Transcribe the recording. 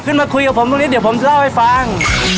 มาคุยกับผมตรงนี้เดี๋ยวผมจะเล่าให้ฟัง